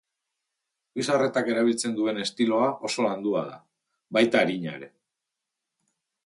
Zubizarretak erabiltzen duen estiloa oso landua da, baita arina ere.